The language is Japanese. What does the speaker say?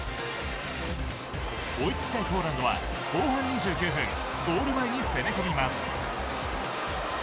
追いつきたいポーランドは後半２９分ゴール前に攻め込みます。